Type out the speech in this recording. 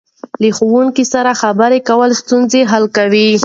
له ښوونکي سره خبرې کول ستونزې حلوي.